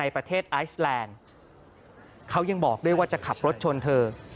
แปลนเขายังบอกด้วยว่าจะขับรถชนเธอ